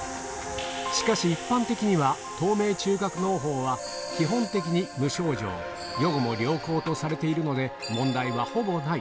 しかし、一般的には透明中隔のう胞は、基本的に無症状、予後も良好とされているので、問題はほぼない。